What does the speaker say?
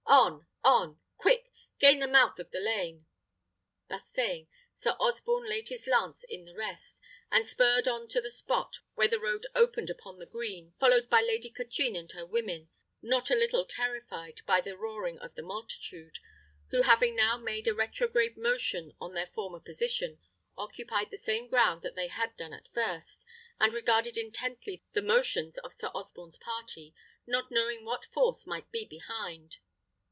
On, on! quick! Gain the mouth of the lane!" Thus saying, Sir Osborne laid his lance in the rest, and spurred on to the spot where the road opened upon the green, followed by Lady Katrine and her women, not a little terrified and agitated by the roaring of the multitude, who, having now made a retrograde motion on their former position, occupied the same ground that they had done at first, and regarded intently the motions of Sir Osborne's party, not knowing what force might be behind.